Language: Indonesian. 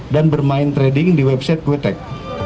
dan bermain trading di website wtec